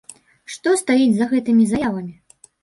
Што стаіць за гэтымі заявамі?